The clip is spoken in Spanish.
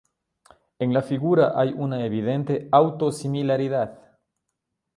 En la figura hay una evidente auto-similaridad.